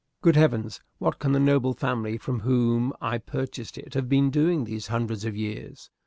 Good heavens, what can the noble family from whom I purchased it have been doing these hundreds of years!